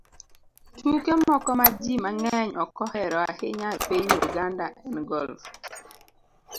Tuke moko ma ji mang'eny ok ohero ahinya e piny Uganda en golf